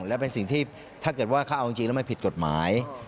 และเป็นสิ่งที่ถ้าเกิดว่าเขาเอาจริงแล้วมันผิดกฎหมาย